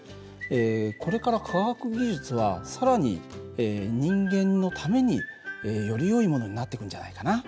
これから科学技術は更に人間のためによりよいものになっていくんじゃないかな。